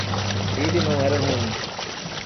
Ele não era ruim.